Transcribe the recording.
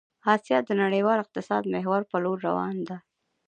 آسيا د نړيوال اقتصاد د محور په لور روان ده